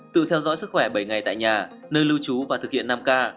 tự theo dõi sức khỏe bảy ngày tại nhà nơi lưu trú và thực hiện năm k